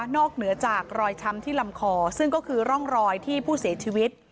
เหนือจากรอยช้ำที่ลำคอซึ่งก็คือร่องรอยที่ผู้เสียชีวิต